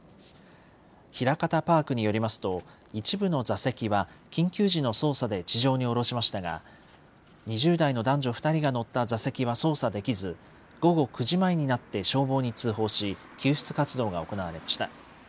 ひらかたパークによりますと、一部の座席は緊急時の操作で地上に降ろしましたが、２０代の男女２人が乗った座席は操作できず、午後９時前になって消防に通報し、救出活動が行われました。